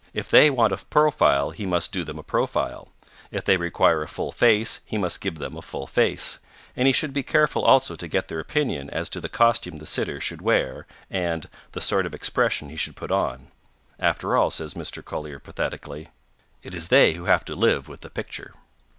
If they want a profile he must do them a profile; if they require a full face he must give them a full face; and he should be careful also to get their opinion as to the costume the sitter should wear and 'the sort of expression he should put on.' 'After all,' says Mr. Collier pathetically, 'it is they who have to live with the picture.'